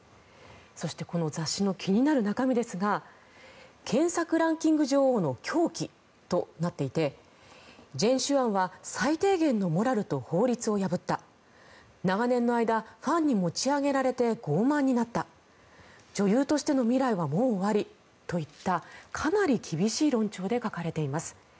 そして、この雑誌の気になる中身ですが検索ランキング女王の狂気となっていてジェン・シュアンは最低限のモラルと法律を破った長年の間ファンに持ち上げられて傲慢になった女優としての未来はもう終わりといったかなり厳しい論調で書かれています。